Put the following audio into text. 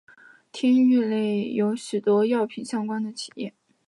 町域内有许多药品相关的企业。